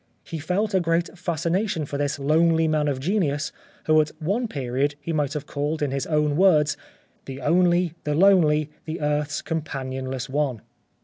He felt a kind of fascination for this lonely man of genius, whom at one period he might have called in his own words, "• The Only, the Lonely, the Earth's Companionless One?